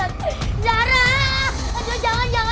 aduh jangan jangan jangan dijigit